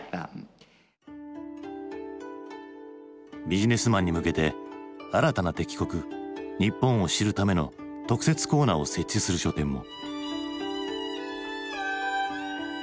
ビジネスマンに向けて新たな敵国日本を知るための特設コーナーを設置する書店も。